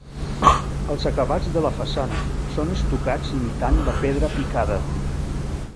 Els acabats de la façana són estucats imitant la pedra picada.